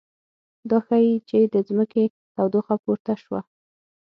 دا ښيي چې د ځمکې تودوخه پورته شوه